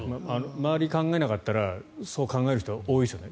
周りを考えなかったらそう考える人は多いですよね。